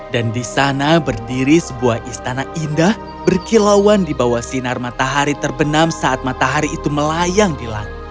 dan di sana berdiri sebuah istana indah berkilauan di bawah sinar matahari terbenam saat matahari itu menghilang